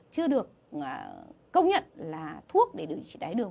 chưa được công nhận là thuốc để điều trị đài tháo đường